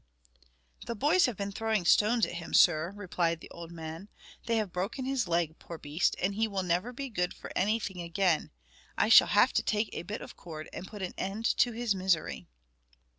"The boys have been throwing stones at him, sir," replied the old man. "They have broken his leg, poor beast, and he will never be good for anything again. I shall have to take a bit of cord and put an end to his misery."